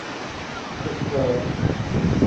ฉุกเฉิน